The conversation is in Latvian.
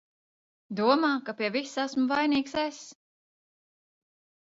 Domā, ka pie visa esmu vainīgs es!